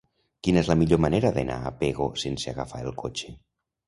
Quina és la millor manera d'anar a Pego sense agafar el cotxe?